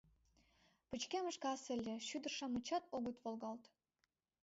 Пычкемыш кас ыле, шӱдыр-шамычат огыт волгалт.